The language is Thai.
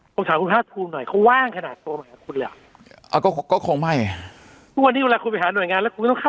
ผมถามส่วนภาษาการดูลขนาดพูดหน่อยเขาว่างขนาดตัวเหมานกับคุณหรือก